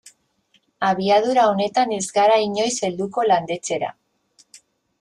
Abiadura honetan ez gara inoiz helduko landetxera.